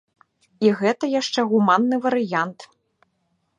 І гэта яшчэ гуманны варыянт.